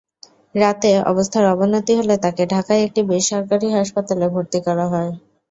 রাতে অবস্থার অবনতি হলে তাঁকে ঢাকায় একটি বেসরকারি হাসপাতালে ভর্তি করা হয়।